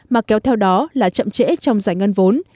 mà kéo theo đó là chậm trễ trong giải ngân vốn